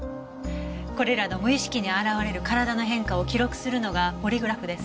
これらの無意識に現れる体の変化を記録するのがポリグラフです。